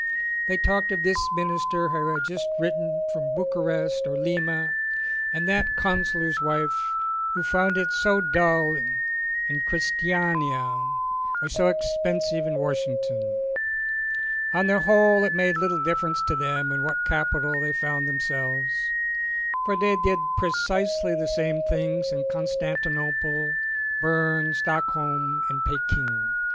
They talked of this Minister who had just written from Bucharest or Lima, and that Counsellor's wife who found it so dull in Christiania or so expensive in Washington. On the whole it made little difference to them in what capital they found themselves, for they did pre cisely the same things in Constantinople, Berne, Stockholm and Peking.